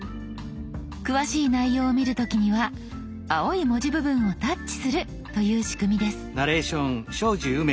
詳しい内容を見る時には青い文字部分をタッチするという仕組みです。